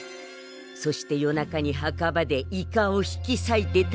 そして夜中に墓場でイカを引きさいて食べる。